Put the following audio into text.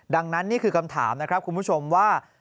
ดังนั้นนี่คือคำถามนะครับคุณผู้ชมว่า